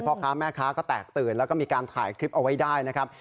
พ่อค้าแม่ค้าก็แตกตื่นแล้วก็มีการถ่ายคลิปเอาไว้ได้นะครับ